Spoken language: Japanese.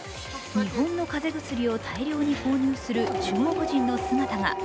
日本の風邪薬を大量に購入する中国人の姿が。